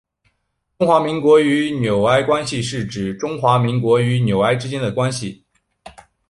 中华民国与纽埃关系是指中华民国与纽埃之间的关系。